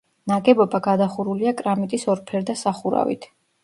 ნაგებობა გადახურულია კრამიტის ორფერდა სახურავით.